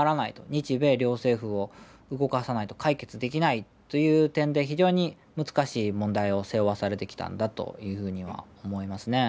日米両政府を動かさないと解決できないという点で非常に難しい問題を背負わされてきたんだというふうには思いますね。